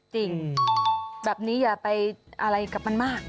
จริงแบบนี้อย่าไปอะไรกับมันมาก